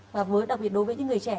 và đặc biệt đối với những người trẻ